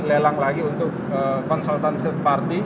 lelang lagi untuk konsultan food party